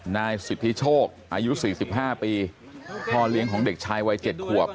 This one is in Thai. นายสิทธิโชคอายุ๔๕ปีพ่อเลี้ยงของเด็กชายวัย๗ขวบ